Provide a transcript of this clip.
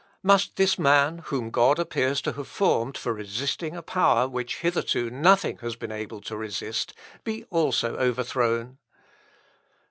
Must this man, whom God appears to have formed for resisting a power which hitherto nothing has been able to resist, be also overthrown?